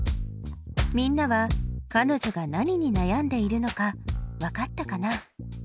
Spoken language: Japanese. みんなはかのじょが何に悩んでいるのかわかったかな？